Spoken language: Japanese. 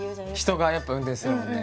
人がやっぱ運転するもんね。